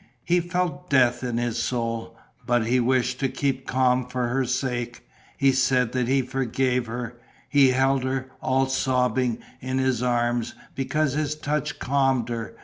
He felt death in his soul. But he wished to keep calm for her sake. He said that he forgave her. He held her, all sobbing, in his arms, because his touch calmed her.